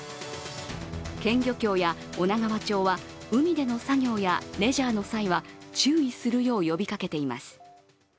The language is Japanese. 県漁協や女川町は海での作業やレジャーの際は注意するよう呼びかけています。